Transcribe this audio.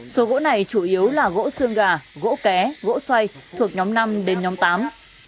số gỗ này chủ yếu là gỗ xương gà gỗ ké gỗ xoay thuộc nhóm năm đến nhóm tám